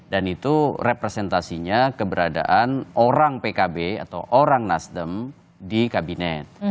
dan itu representasinya keberadaan orang pkb atau orang nasdem di kabinet